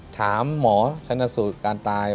ถามหมอชนสูตรการตาย